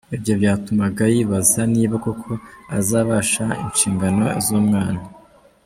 Ibyo byatumaga yibaza niba koko azabasha inshingano z’umwana.